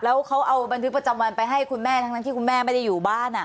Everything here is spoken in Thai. แล้วเขาเอาบันทึกประจำวันไปให้คุณแม่ทั้งนั้นที่คุณแม่ไม่ได้อยู่บ้าน